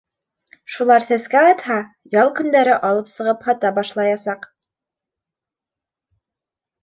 Шулар сәскә атһа, ял көндәре алып сығып һата башлаясаҡ.